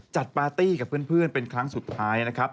ปาร์ตี้กับเพื่อนเป็นครั้งสุดท้ายนะครับ